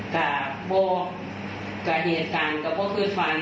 ก็บอกว่าเหตุการณ์ก็ไม่คือฝัน